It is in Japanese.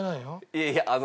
いやいやあの。